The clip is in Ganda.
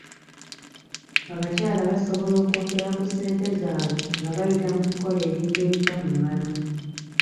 Abakyala basobola okwongera ku ssente zaabwe nga bayita mu kukola ebintu ebiva mu ngano.